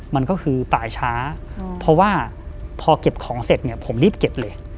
มันก็คือปลายช้าเพราะว่าพอเก็บของเสร็จเนี่ยผมรีบเก็บเลย